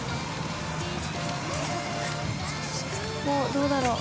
どうだろう？